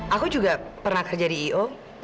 aku juga pernah kerja di i o